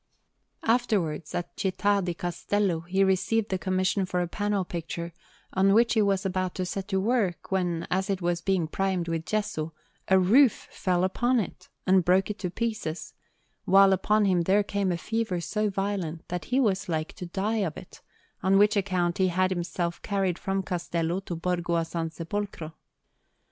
Afterwards, at Città di Castello, he received the commission for a panel picture, on which he was about to set to work, when, as it was being primed with gesso, a roof fell upon it and broke it to pieces; while upon him there came a fever so violent, that he was like to die of it, on which account he had himself carried from Castello to Borgo a San Sepolcro.